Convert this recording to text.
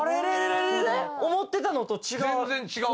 思ってたのと違う。